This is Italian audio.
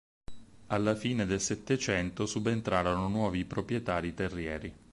Alla fine del Settecento subentrarono nuovi proprietari terrieri.